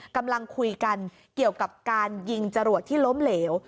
กำลังคุยกันเกี่ยวกับการยิงจรวดที่ล้มเหลว